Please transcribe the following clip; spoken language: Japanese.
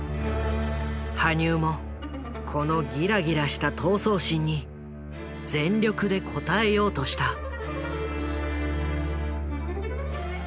羽生もこのギラギラした闘争心に全力で応えようとした。